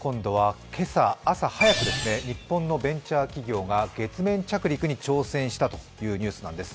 今朝は朝早くですね、日本のベンチャー企業が月面着陸に挑戦したというニュースなんです。